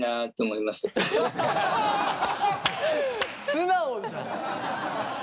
素直じゃん。